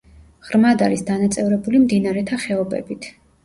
ღრმად არის დანაწევრებული მდინარეთა ხეობებით.